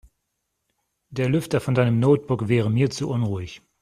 Der Lüfter von deinem Notebook wäre mir zu unruhig.